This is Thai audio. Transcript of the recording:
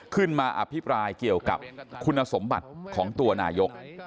อภิปรายเกี่ยวกับคุณสมบัติของตัวนายก